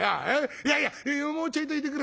いやいやもうちょいといてくれ。